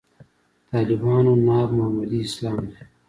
طالبانو ناب محمدي اسلام دی.